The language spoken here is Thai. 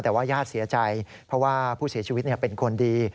แต่ว่าญาติเสียใจเพราะว่าผู้เสียชีวิตเป็นคนดี